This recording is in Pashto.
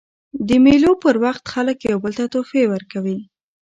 د مېلو پر وخت خلک یو بل ته تحفې ورکوي.